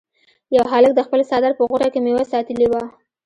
یو هلک د خپل څادر په غوټه کې میوه ساتلې وه.